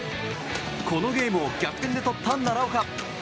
このゲームを逆転で取った奈良岡。